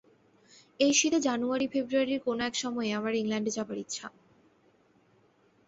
এই শীতে জানুআরী-ফেব্রুআরীর কোন এক সময়ে আমার ইংলণ্ডে যাবার ইচ্ছা।